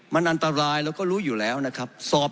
มันอันตรายเราก็รู้อยู่แล้วนะครับ